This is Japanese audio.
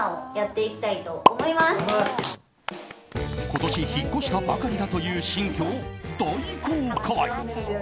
今年、引っ越したばかりだという新居を大公開。